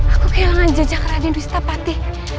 aku kehilangan jejak raden wistapati